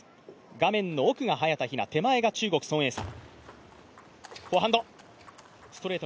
画面の奥が早田ひな、手前が中国の孫エイ莎。